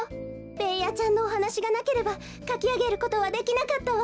ベーヤちゃんのおはなしがなければかきあげることはできなかったわ。